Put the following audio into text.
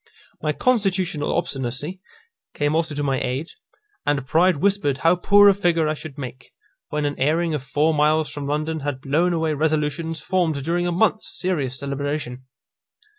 My constitutional obstinacy came also to my aid, and pride whispered how poor a figure I should make, when an airing of four miles from London had blown away resolutions formed during a month's serious deliberation.